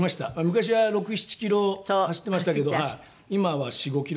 昔は６７キロ走ってましたけど今は４５キロですかね。